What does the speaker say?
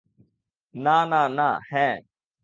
না না না - হ্যাঁ।